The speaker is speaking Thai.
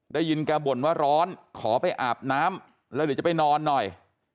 ได้ยินแกบ่นว่าร้อนขอไปอาบน้ำแล้วเดี๋ยวจะไปนอนหน่อย